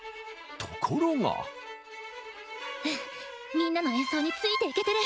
みんなの演奏についていけてる！